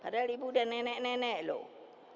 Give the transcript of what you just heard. padahal ibu udah nenek nenek loh